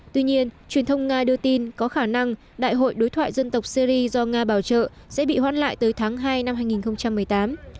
tuy nhiên truyền thông nga đưa tin có khả năng đại hội đối thoại dân tộc syri do nga bảo trợ sẽ bị hoãn lại tới tháng hai năm hai nghìn một mươi tám